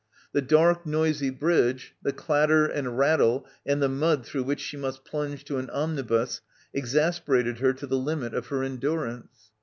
The dark, noisy bridge, the clatter and rattle and the mud through which she must plunge to an omnibus exasperated her to the limit of her endurance.